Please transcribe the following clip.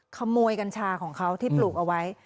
กัญชาของเขาที่ปลูกเอาไว้